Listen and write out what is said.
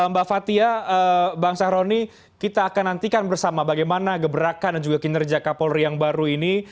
mbak fathia bang sahroni kita akan nantikan bersama bagaimana gebrakan dan juga kinerja kapolri yang baru ini